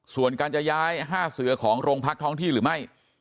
ส่วนการจะย้าย๕เสือของโรงพักท้องที่หรือไม่